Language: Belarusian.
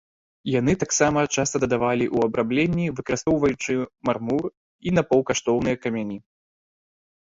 Яны таксама часта дадавалі ў абрамленні, выкарыстоўваючы мармур і напаўкаштоўныя камяні.